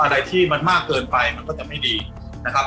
อะไรที่มันมากเกินไปมันก็จะไม่ดีนะครับ